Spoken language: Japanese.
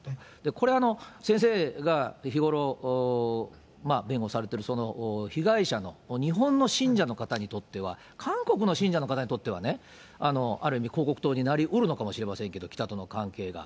これは、先生が日頃弁護されてる被害者の日本の信者の方にとっては、韓国の信者の方にとってはね、ある意味、広告塔になりうるのかもしれませんけれども、北との関係が。